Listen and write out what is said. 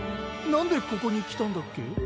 なんでここに来たんだっけ？